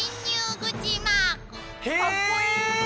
かっこいい！